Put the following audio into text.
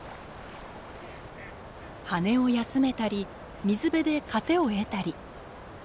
羽を休めたり水辺で糧を得たり。